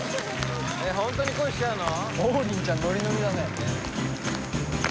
えっホントに恋しちゃうの？